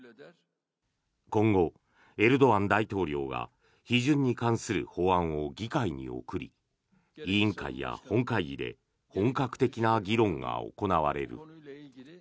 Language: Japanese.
今後、エルドアン大統領が批准に関する法案を議会に送り委員会や本会議で本格的な議論が行われる。